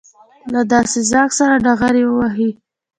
له داسې ځواک سره ډغرې ووهي.